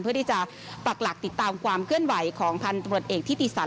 เพื่อที่จะปรักหลักติดตามความเคลื่อนไหวของพันตรวจเอกทิติศักดิ